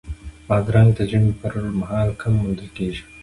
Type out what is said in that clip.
بادرنګ د ژمي پر مهال کم موندل کېږي.